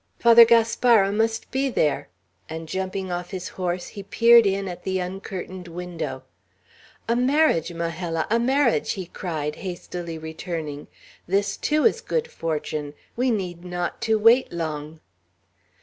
"Father Gaspara must be there;" and jumping off his horse, he peered in at the uncurtained window. "A marriage, Majella, a marriage!" he cried, hastily returning. "This, too, is good fortune. We need not to wait long."